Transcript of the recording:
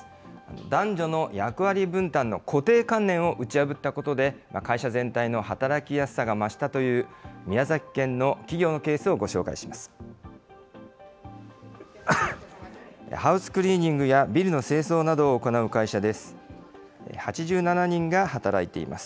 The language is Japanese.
男女の役割分担の固定観念を打ち破ったことで、会社全体の働きやすさが増したという宮崎県の企業のケースをご紹介します。